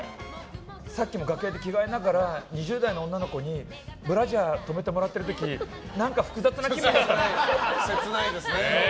さっきも楽屋で着替えながら２０代の女の子にブラジャー留めてもらってる時何か複雑な気分だったの。